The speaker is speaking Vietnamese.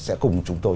sẽ cùng chúng tôi